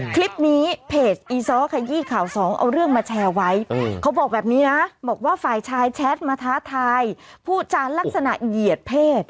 คลิปนี้เพจอีซ้อขยี้ข่าวสองเอาเรื่องมาแชร์ไว้เขาบอกแบบนี้นะบอกว่าฝ่ายชายแชทมาท้าทายพูดจานลักษณะเหยียดเพศ